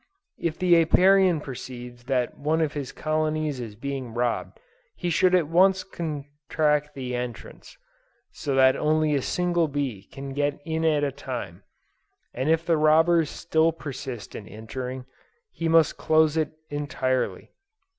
If the Apiarian perceives that one of his colonies is being robbed, he should at once contract the entrance, so that only a single bee can get in at a time; and if the robbers still persist in entering, he must close it entirely.